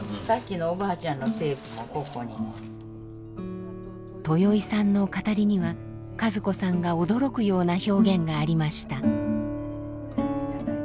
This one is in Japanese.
さっきのおばあちゃんのテープもここに。とよいさんの語りには和子さんが驚くような表現がありました。